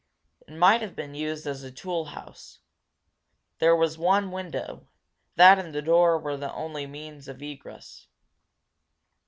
It might have been used as a tool house. There was one window; that and the door were the only means of egress.